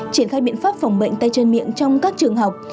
triển khai biện pháp phòng bệnh tay chân miệng trong các trường học